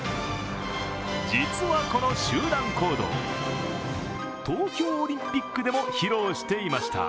実はこの集団行動東京オリンピックでも披露していました。